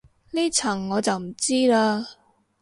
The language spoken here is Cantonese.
呢層我就唔知嘞